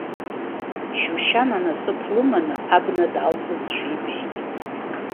Шьушьана насыԥ лымнаы абна даалҵызшәа ибеит.